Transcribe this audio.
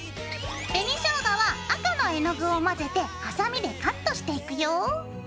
紅ショウガは赤の絵の具を混ぜてハサミでカットしていくよ。